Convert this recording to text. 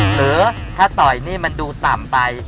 หรือถ้าต่อยนี่มันดูต่ำไป